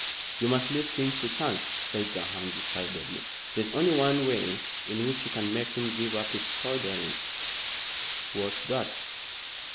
"You must leave things to chance," said Durham decidedly. "There is only one way in which you can make him give up his soldiering." "What's that?"